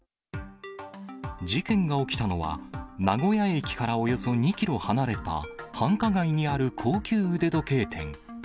事件が起きたのは、名古屋駅からおよそ２キロ離れた繁華街にある高級腕時計店。